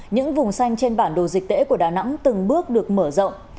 những vùng xanh trên bản đồ dịch tễ của đà nẵng từng bước được mở rộng